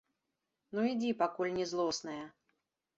Ну, ідзі, пакуль не злосная.